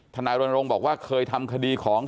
นายรณรงค์บอกว่าเคยทำคดีของ